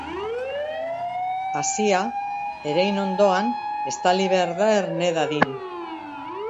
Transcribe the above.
Hazia, erein ondoan, estali behar da erne dadin.